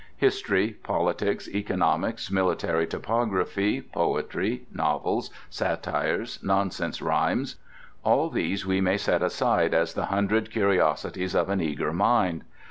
History, politics, economics, military topography, poetry, novels, satires, nonsense rhymes—all these we may set aside as the hundred curiosities of an eager mind.